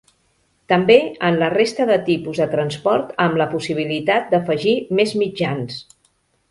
També en la resta de tipus de transport, amb la possibilitat d'afegir més mitjans.